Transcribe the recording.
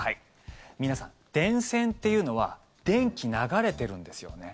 皆さん、電線っていうのは電気流れてるんですよね。